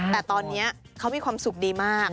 แต่ตอนนี้เขามีความสุขดีมาก